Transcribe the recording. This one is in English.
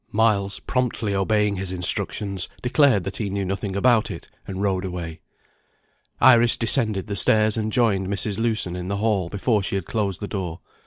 Miles, promptly obeying his instructions, declared that he knew nothing about it, and rode away. Iris descended the stairs, and joined Mrs. Lewson in the hall before she had closed the door.